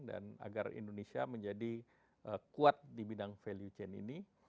dan agar indonesia menjadi kuat di bidang value chain ini